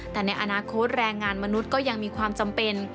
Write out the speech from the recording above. แต่ในอนาคตแรงงานมนุษย์ก็ยังมีความจำเป็น